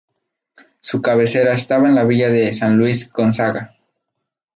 Su cabecera estaba en la Villa de San Luis Gonzaga.